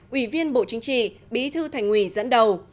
ủy viên bộ chính trị bí thư thành ủy dẫn đầu